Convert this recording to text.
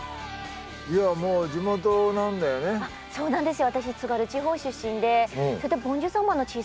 そうなんですよ